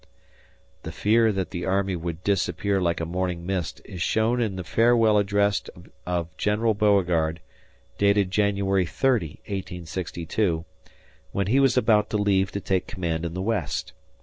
The fear that the army would disappear like a morning mist is shown in the farewell address of General Beauregard, dated January 30, 1862, when he was about to leave to take command in the West.